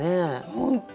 本当。